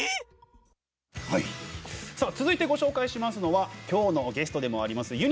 続いてご紹介しますのはきょうのゲストでもあります